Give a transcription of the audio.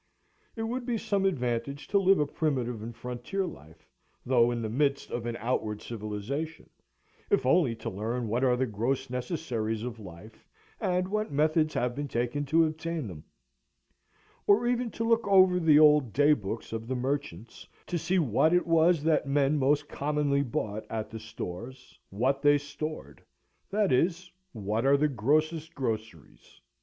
It would be some advantage to live a primitive and frontier life, though in the midst of an outward civilization, if only to learn what are the gross necessaries of life and what methods have been taken to obtain them; or even to look over the old day books of the merchants, to see what it was that men most commonly bought at the stores, what they stored, that is, what are the grossest groceries.